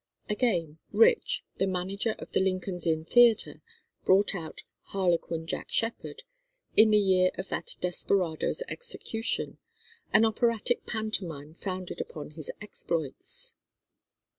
Again, Rich, the manager of the Lincoln's Inn Theatre, brought out "Harlequin Jack Sheppard" in the year of that desperado's execution, an operatic pantomime founded upon his exploits.